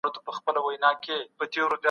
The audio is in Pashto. هرې موندنې ته باید دقیقه حواله ورکړل سی.